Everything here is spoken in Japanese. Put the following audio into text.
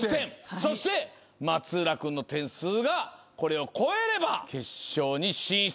そして松浦君の点数がこれを超えれば決勝に進出。